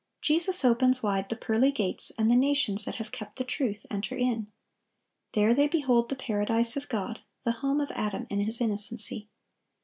Jesus opens wide the pearly gates, and the nations that have kept the truth enter in. There they behold the Paradise of God, the home of Adam in his innocency.